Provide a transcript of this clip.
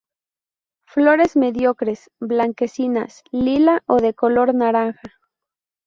Flores mediocres, blanquecinas, lila o de color naranja.